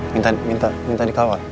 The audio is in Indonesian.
minta minta minta dikawal